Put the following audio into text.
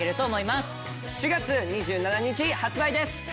４月２７日発売です。